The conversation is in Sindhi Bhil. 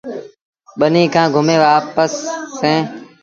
ٻنيٚ کآݩ گھمي وآپس سيٚݩ۔